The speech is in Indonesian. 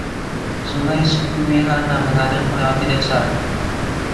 Sungai Suquehanna mengalir melewati desa.